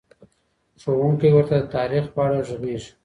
ښوونکی ورته د تاريخ په اړه غږېږي.